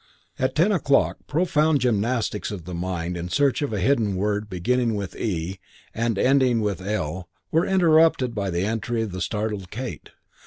At ten o'clock profound gymnastics of the mind in search of a hidden word beginning with e and ending with l were interrupted by the entry of the startled Kate.